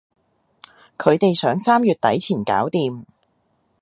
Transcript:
佢哋想三月底前搞掂